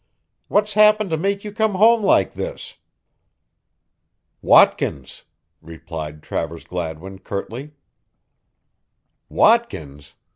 What's happened to make you come home like this?" "Watkins!" replied Travers Gladwin curtly. "Watkins!